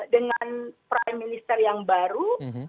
dengan prime militer yang baru